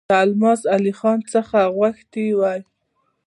د الماس علي خان څخه غوښتي وای.